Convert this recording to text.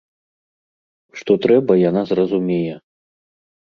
Што трэба яна зразумее.